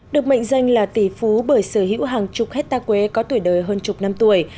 được mệnh danh là tỷ phú bởi sở hữu hàng chục hectare quê có tuổi đời hơn chục năm tuổi